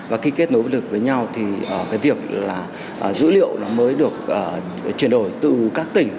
và khi kết nối lực với nhau thì cái việc là dữ liệu nó mới được chuyển đổi từ các tỉnh